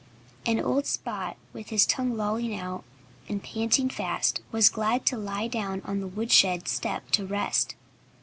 And old Spot, with his tongue lolling out, and panting fast, was glad to lie down on the woodshed step to rest.